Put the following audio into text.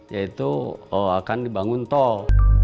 yaitu akan dibangun tol